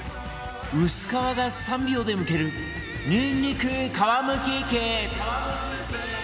薄皮が３秒でむけるにんにく皮むき器